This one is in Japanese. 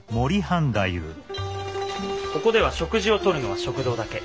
ここでは食事をとるのは食堂だけ。